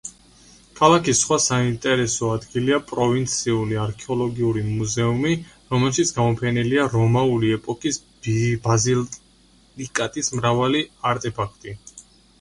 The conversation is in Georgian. ქალაქის სხვა საინტერესო ადგილია პროვინციული არქეოლოგიური მუზეუმი, რომელშიც გამოფენილია რომაული ეპოქის ბაზილიკატის მრავალი არტეფაქტი.